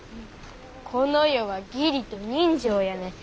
この世は義理と人情やねん。